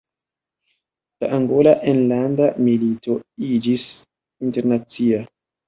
La Angola Enlanda Milito iĝis internacia.